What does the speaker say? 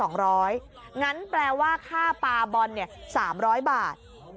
งั้นแปลว่าค่าปลาบอล๓๐๐บาท